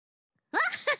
アハハ！